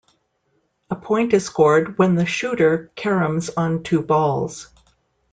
A point is scored when the shooter caroms on two balls.